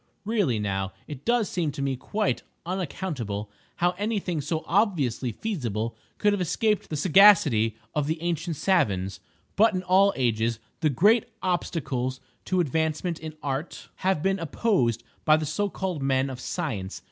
Really now it does seem to me quite unaccountable how any thing so obviously feasible could have escaped the sagacity of the ancient savans. But in all ages the great obstacles to advancement in Art have been opposed by the so called men of science.